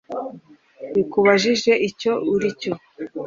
likubajije icyo uli cyo